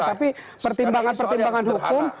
tapi pertimbangan pertimbangan hukum